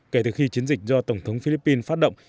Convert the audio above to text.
kể từ khi chiến dịch do tổng thống philippines phát động